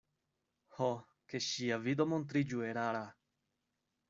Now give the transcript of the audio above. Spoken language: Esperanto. Ho, ke ŝia vido montriĝu erara!